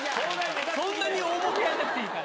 そんなに重くやらなくていいから。